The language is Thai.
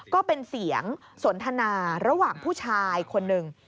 ก็เป็นเสียงสนทนาระหว่างผู้ชายคนหนึ่ง